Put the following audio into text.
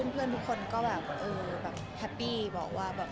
เพื่อนทุกคนก็แฮปปี้บอกว่าคนนี้ดูเข้าแบบเราได้มาก